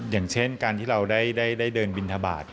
อย่างเช่นการที่เราได้เดินบินทบาท